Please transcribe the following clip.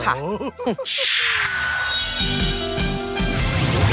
เหมือนว่า